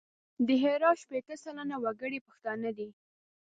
د هرات شپېته سلنه وګړي پښتانه دي.